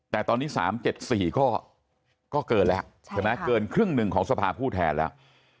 แต่ตอนนี้๓๗๔ก็เกินแล้วใช่ไหมเกินครึ่งหนึ่งของสภาผู้แทนแล้ว